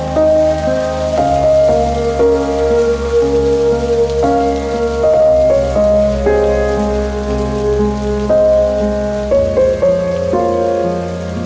พันธ์ที่สุดท้าย